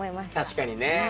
確かにね。